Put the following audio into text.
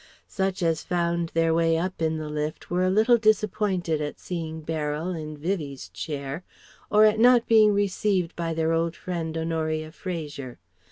Such as found their way up in the lift were a little disappointed at seeing Beryl in Vivie's chair or at not being received by their old friend Honoria Fraser.